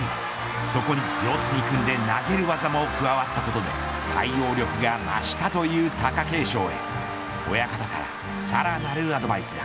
そこに四つに組んで投げる技も加わったことで対応力が増したという貴景勝へ親方からさらなるアドバイスが。